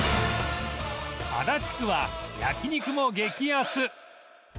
足立区は焼き肉も激安